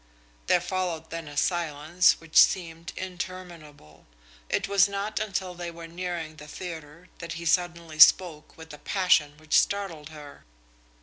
There followed then a silence which seemed interminable. It was not until they were nearing the theatre that he suddenly spoke with a passion which startled her.